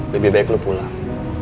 lebih baik lo pulang